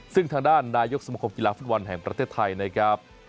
ซึ่งทางด้านนายกสมคมกีฬาฟุตบอลแห่งประเทศไทยนะครับ